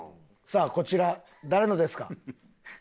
さあこちら誰のですか？